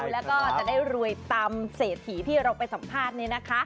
แล้วก็จะได้รวยตามเศรษฐีที่เราไปสัมภาษณ์นี้นะคะ